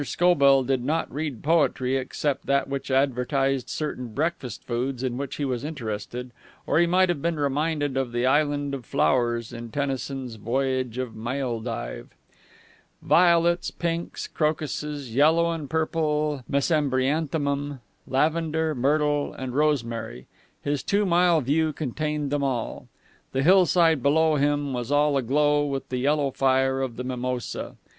Scobell did not read poetry except that which advertised certain breakfast foods in which he was interested, or he might have been reminded of the Island of Flowers in Tennyson's "Voyage of Maeldive." Violets, pinks, crocuses, yellow and purple mesembryanthemum, lavender, myrtle, and rosemary ... his two mile view contained them all. The hillside below him was all aglow with the yellow fire of the mimosa.